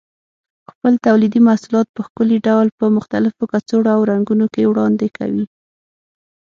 خپل تولیدي محصولات په ښکلي ډول په مختلفو کڅوړو او رنګونو کې وړاندې کوي.